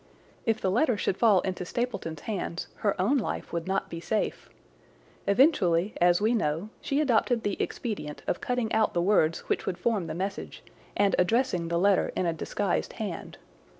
If the letter should fall into Stapleton's hands her own life would not be safe. Eventually, as we know, she adopted the expedient of cutting out the words which would form the message, and addressing the letter in a disguised hand.